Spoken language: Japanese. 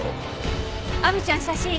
亜美ちゃん写真。